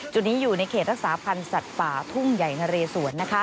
จุดนี้อยู่ในเขตรักษาพันธ์สัตว์ป่าทุ่งใหญ่นะเรสวน